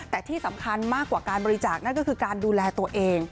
แต่ที่สำคัญมากกว่าการบริจาคนั่นก็คือการดูแลตัวเอง